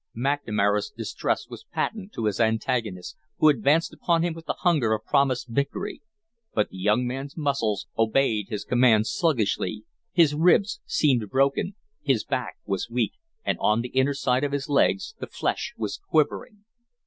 McNamara's distress was patent to his antagonist, who advanced upon him with the hunger of promised victory; but the young man's muscles obeyed his commands sluggishly, his ribs seemed broken, his back was weak, and on the inner side of his legs the flesh was quivering.